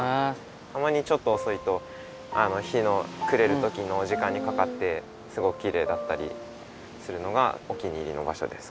たまにちょっとおそいと日のくれるときの時間にかかってすごくきれいだったりするのがお気に入りの場所です